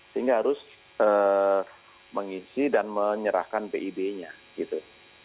sehingga harus mengisi dan menyerahkan pib nya gitu